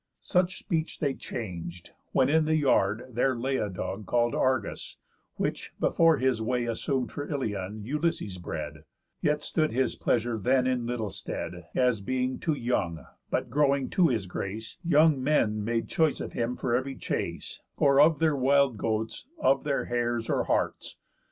Such speech they chang'd; when in the yard there lay A dog, call'd Argus, which, before his way Assum'd for Ilion, Ulysses bred, Yet stood his pleasure then in little stead, As being too young, but, growing to his grace, Young men made choice of him for ev'ry chace, Or of their wild goats, of their hares, or harts.